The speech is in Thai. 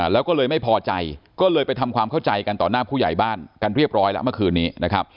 แล้วก็เลยไม่พอใจก็เลยไปทำความเข้าใจกันต่อหน้าผู้ใหญ่บ้านกันเรียบร้อยแล้วเมื่อคืนนี้นะครับ